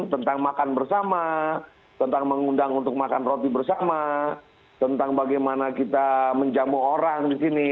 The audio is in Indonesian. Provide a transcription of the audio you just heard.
tentang makan bersama tentang mengundang untuk makan roti bersama tentang bagaimana kita menjamu orang di sini